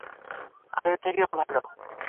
আগের থেকে ভাল?